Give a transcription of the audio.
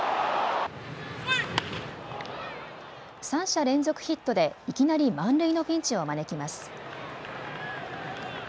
３者連続ヒットでいきなり満塁のピンチを招きます。